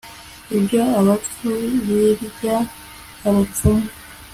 ibyo abapfu birya abapfumu